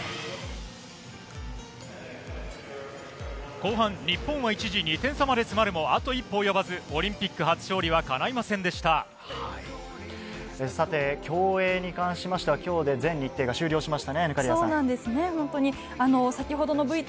後半日本は一時、２点差まで迫るもあと一歩及ばず、オリンピック競泳に関しましては今日で全日程が終了しました。